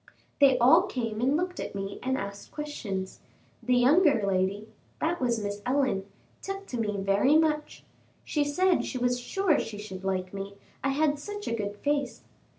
They all came and looked at me and asked questions. The younger lady that was Miss Ellen took to me very much; she said she was sure she should like me, I had such a good face.